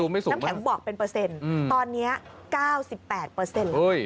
น้ำแข็งบอกเป็นเปอร์เซ็นต์ตอนนี้๙๘เปอร์เซ็นต์